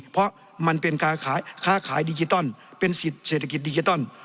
เพราะมันเป็นค้าขายดิจิตอลเป็นสิทธิเศรษฐกิจดิจิตอล